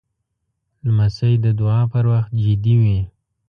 لمسی د دعا پر وخت جدي وي.